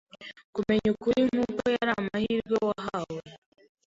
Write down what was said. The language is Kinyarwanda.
kumenya ukuri nk’uko yari amahirwe wahawe.